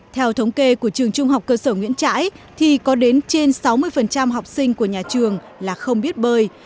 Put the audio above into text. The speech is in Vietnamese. theo thống kê của trường trung học cơ sở nguyễn trãi thì có đến trên sáu mươi học sinh của nhà trường là không biết bơi